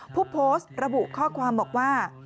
ผู้โพสต์ระบุข้อความบอกว่า